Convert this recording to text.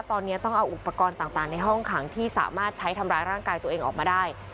ตอนนี้ต้องเอาอุปกรณ์ต่างในห้องขังที่สามารถใช้ทำร้ายร่างกายตัวเองออกมาได้